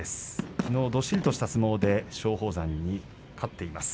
きのうどっしりとした相撲で松鳳山に勝っています。